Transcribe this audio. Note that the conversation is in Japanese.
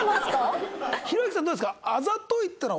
ひろゆきさんどうですか？